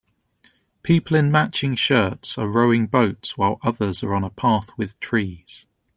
People in matching shirts are rowing boats while others are on a path with trees.